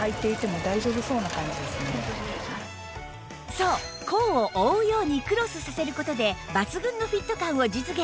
そう甲を覆うようにクロスさせる事で抜群のフィット感を実現